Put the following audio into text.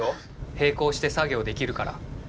並行して作業できるから。